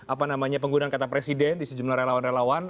apa namanya penggunaan kata presiden di sejumlah relawan relawan